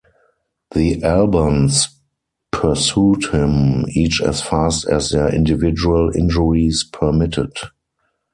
The Albans pursued him, each as fast as their individual injuries permitted.